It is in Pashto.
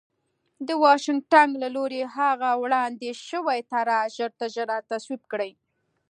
د واشنګټن له لوري هغه وړاندې شوې طرح ژرترژره تصویب کړي